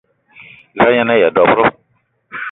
Za a yen-aya dob-ro?